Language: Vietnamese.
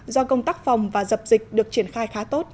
do công tác phòng và dập dịch được triển khai